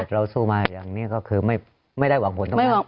เราสู้มาอย่างนี้ก็คือไม่ได้หวังผลตรงนั้น